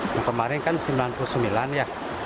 yang kemarin kan sembilan puluh sembilan ya